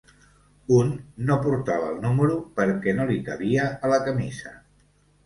Un no portava el número perquè ‘no li cabia a la camisa’.